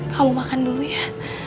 kamu makan dulu ya